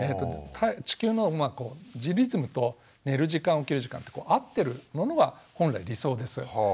地球のリズムと寝る時間起きる時間って合ってるものは本来理想です。